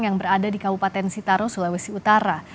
yang berada di kabupaten sitaro sulawesi utara